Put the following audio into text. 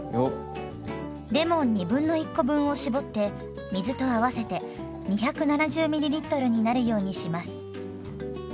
レモン1/2コ分を絞って水と合わせて２７０ｍｌになるようにします。